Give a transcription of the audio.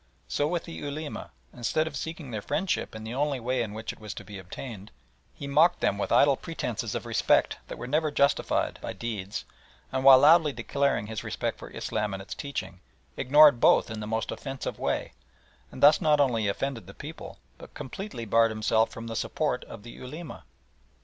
So with the Ulema, instead of seeking their friendship in the only way in which it was to be obtained, he mocked them with idle pretences of respect that were never justified by deeds, and, while loudly declaring his respect for Islam and its teaching, ignored both in the most offensive way, and thus not only offended the people, but completely barred himself from the support of the Ulema.